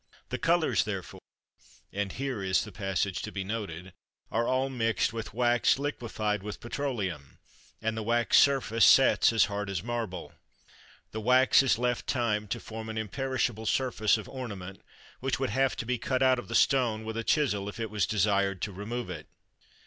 The colours, therefore," and here is the passage to be noted "are all mixed with wax liquefied with petroleum; and the wax surface sets as hard as marble. .. The wax is left time to form an imperishable surface of ornament, which would have to be cut out of the stone with a chisel if it was desired to remove it."